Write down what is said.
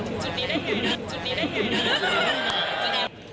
ถึงจุดนี้ได้ไงถึงจุดนี้ได้ไง